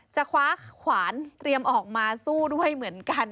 จะคว้าขวานเตรียมออกมาสู้ด้วยเหมือนกัน